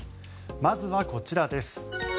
まずはこちらです。